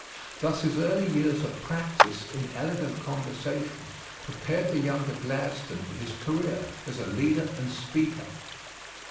Thus his early years of practise in elegant conversation prepared the younger Gladstone for his career as a leader and speaker.